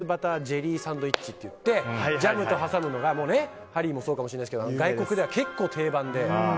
ピーナッツバタージェリーサンドイッチっていってジャムと挟むのがハリーもそうかもしれないですけど外国では結構定番で。